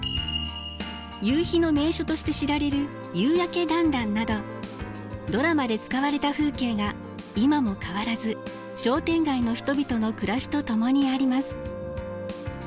夕日の名所として知られる夕やけだんだんなどドラマで使われた風景が今も変わらず商店街の人々の暮らしと共にあります。